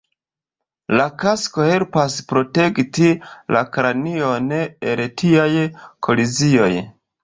La kasko helpas protekti la kranion el tiaj kolizioj".